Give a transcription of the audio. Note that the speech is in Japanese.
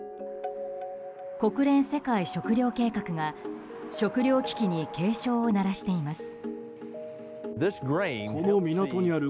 国連世界食糧計画が食糧危機に警鐘を鳴らしています。